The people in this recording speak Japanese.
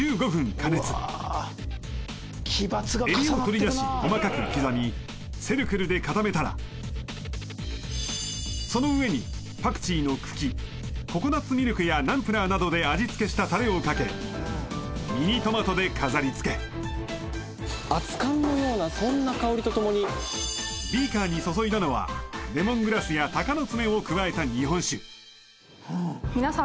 加熱エビを取り出し細かく刻みセルクルで固めたらその上にパクチーの茎ココナッツミルクやナンプラーなどで味つけしたタレをかけミニトマトで飾りつけ熱かんのようなそんな香りとともにビーカーに注いだのはレモングラスやたかのつめを加えたみなさん